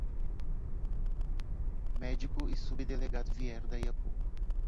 Médico e subdelegado vieram daí a pouco.